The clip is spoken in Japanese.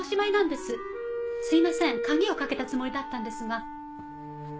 すいません鍵を掛けたつもりだったんですが。